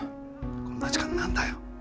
こんな時間に何だよ。